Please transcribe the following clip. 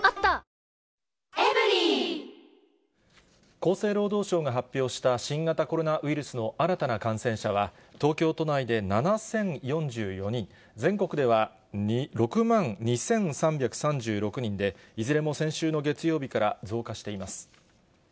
厚生労働省が発表した新型コロナウイルスの新たな感染者は、東京都内で７０４４人、全国では６万２３３６人で、いずれも先週の月曜日から増加しています。